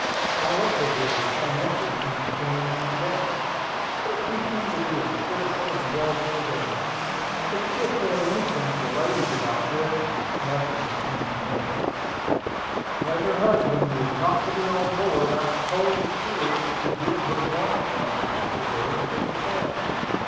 I looked at her with some interest when she came on deck; but she seemed to be as cheerful and pleasant as ever. If she had said anything to the ladies about Griffin, nothing had come to me. As her husband was not to be on board, I told the steward to give her one of the after berths in the cabin.